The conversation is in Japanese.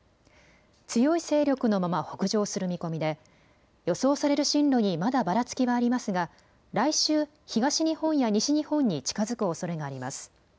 強い勢力のまま北上する見込みで予想される進路にまだばらつきはありますが来週、東日本や西日本に近づくおそれがあります。